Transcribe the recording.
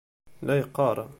La yeqqaṛ.